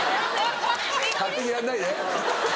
勝手にやんないで。